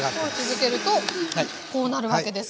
続けるとこうなるわけですね。